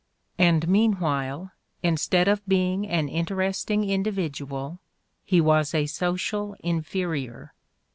And meanwhile, in stead of being an interesting individual, he was a social inferior.